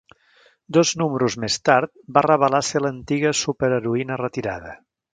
Dos números més tard, va revelar ser l'antiga superheroïna retirada.